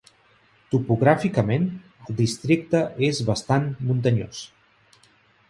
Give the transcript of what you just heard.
Topogràficament, el districte és bastant muntanyós.